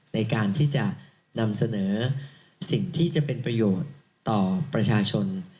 ในการที่จะนำเสนอสิ่งที่จะเป็นประโยชน์ต่อประชาชน